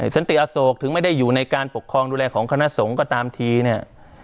สันติอโศกถึงไม่ได้อยู่ในการปกครองดูแลของคณะสงฆ์ก็ตามทีเนี่ย